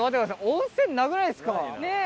温泉なくないですか？